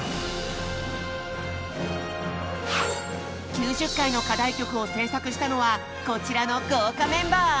９０回の課題曲を制作したのはこちらの豪華メンバー。